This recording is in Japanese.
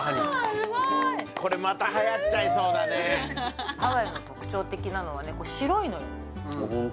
これまたはやっちゃいそうだねハワイの特徴的なのはね白いのよあっ